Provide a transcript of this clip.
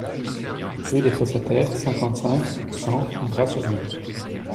Rue des Fosses à Terre, cinquante-cinq, cent Bras-sur-Meuse